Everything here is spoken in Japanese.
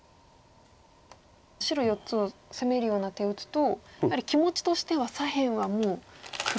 白４つを攻めるような手を打つと気持ちとしては左辺はもう黒地だぞ。